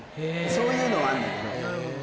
そういうのはあるんだけど。